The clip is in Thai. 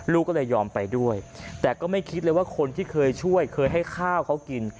ลูกก็เลยยอมไปด้วยแต่ก็ไม่คิดเลยว่าคนที่เคยช่วยเคยให้ข้าวเขากิน